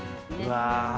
うわ。